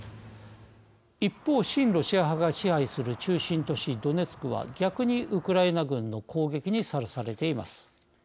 一方、親ロシア派が支配する中心都市ドネツクは逆に、ウクライナ軍の攻撃にさらされています。